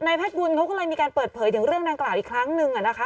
แพทย์บุญเขาก็เลยมีการเปิดเผยถึงเรื่องดังกล่าวอีกครั้งนึงนะคะ